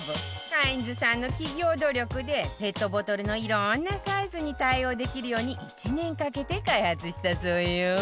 カインズさんの企業努力でペットボトルのいろんなサイズに対応できるように１年かけて開発したそうよ